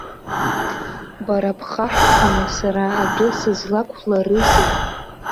Бара бхаҳәханы сара адәы сызлақәларызеи!